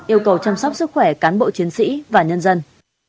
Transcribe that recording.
yêu cầu chăm sóc sức khỏe cán bộ chiến sĩ và nhân dân